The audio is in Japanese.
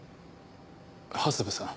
長谷部さん？